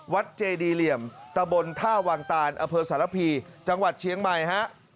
วัดเจดีเหลี่ยมตะบลท่าวางตานอเภิร์ศรภีร์จังหวัดเชียงใหม่